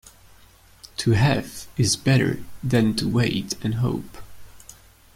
To have is better than to wait and hope.